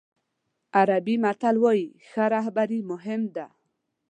عربي متل وایي ښه رهبري مهم ده.